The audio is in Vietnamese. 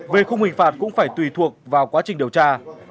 về khung hình phạt cũng phải tùy thuộc vào quá trình điều tra